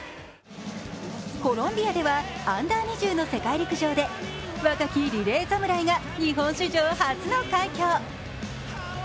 コロンビアではＵ２０の世界陸上で若きリレー侍が日本史上初の快挙。